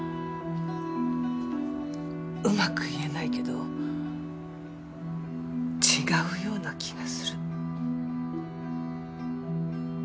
うまく言えないけど違うような気がする。